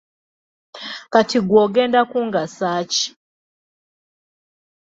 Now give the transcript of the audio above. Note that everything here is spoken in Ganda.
Kati gwe ogenda kungasa ki?